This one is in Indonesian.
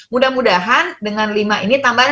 mudah mudahan dengan lima ini tambahan